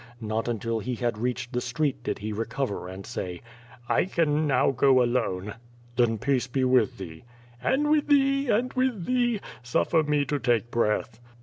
Not until he had reached the street did he recover and say: "I can now go alone." "Then peace be with thee." "And with thee, and with thee! Suffer me to take breath."